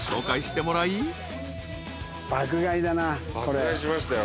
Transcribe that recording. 爆買いしましたよ